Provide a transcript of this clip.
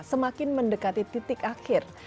semakin mendekati titik akhir